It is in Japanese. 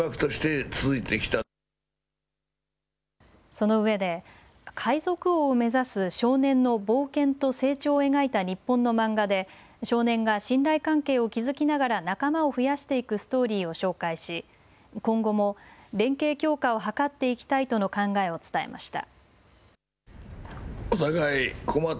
そのうえで海賊王を目指す少年の冒険と成長を描いた日本の漫画で少年が信頼関係を築きながら仲間を増やしていくストーリーを紹介し今後も連携強化を図っていきたいとの考えを伝えました。